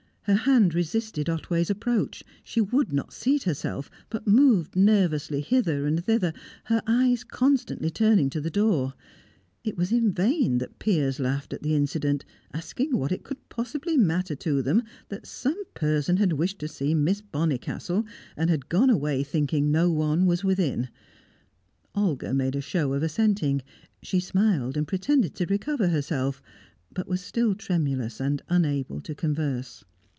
Her hand resisted Otway's approach; she would not seat herself, but moved nervously hither and thither, her eyes constantly turning to the door. It was in vain that Piers laughed at the incident, asking what it could possibly matter to them that some person had wished to see Miss Bonnicastle, and had gone away thinking no one was within; Olga made a show of assenting, she smiled and pretended to recover herself, but was still tremulous and unable to converse.